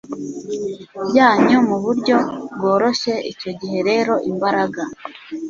byanyu mu buryo bworoshye Icyo gihe rero imbaraga